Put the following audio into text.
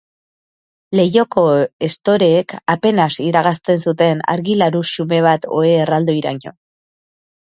Leihoko estoreek apenas iragazten zuten argi laru xume bat ohe erraldoiraino.